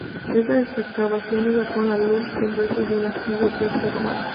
Estas excavaciones sacaron a la luz los restos de un antiguo teatro romano.